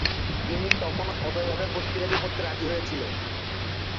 তিনি তখনও সদয়ভাবে পত্রিকাটি পড়তে রাজি হয়েছিলেন।